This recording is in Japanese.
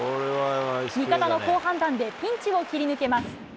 味方の好判断でピンチを切り抜けます。